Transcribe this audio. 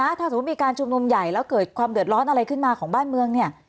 ถ้าสมมุติมีการชุมนุมใหญ่แล้วเกิดความเดือดร้อนอะไรขึ้นมาของบ้านเมืองเนี่ย